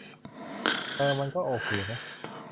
เออ มันก็โอเคนะ